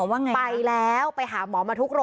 วิทยาลัยศาสตรี